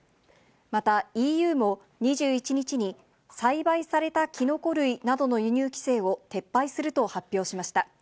またＥＵも２１日に、栽培されたきのこ類などの輸入規制を撤廃すると発表しました。